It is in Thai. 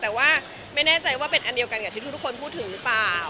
แต่ว่าไม่แน่ใจว่าเป็นอันเดียวกันกับที่ทุกคนพูดถึงหรือเปล่า